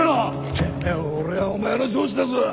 てめえ俺はお前の上司だぞ！